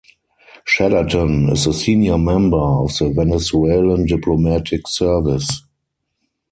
Chaderton is a senior member of the Venezuelan Diplomatic Service.